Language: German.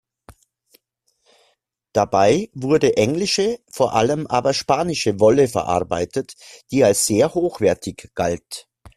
Dabei wurde englische, vor allem aber spanische Wolle verarbeitet, die als sehr hochwertig galt.